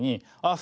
あ